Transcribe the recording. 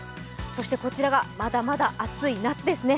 そしてこちらがまだまだ暑い夏ですね。